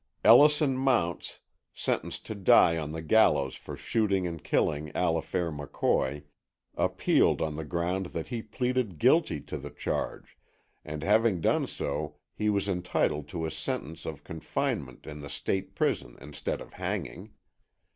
Ellison Mounts, sentenced to die on the gallows for shooting and killing Allifair McCoy, appealed on the ground that he pleaded guilty to the charge, and having done so he was entitled to a sentence of confinement in the State prison instead of hanging.